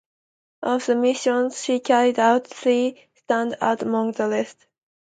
Of the missions she carried out, three stand out among the rest.